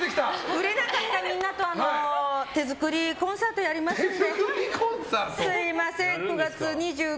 売れなかったみんなと手作りコンサートやりますので。